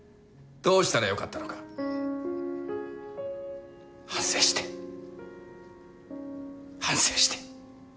どうしたらよかったのか反省して反省して。